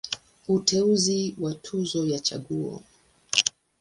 Uteuzi wa Tuzo ya Chaguo.